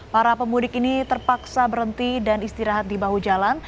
para pemudik ini terpaksa berhenti dan istirahat di bahu jalan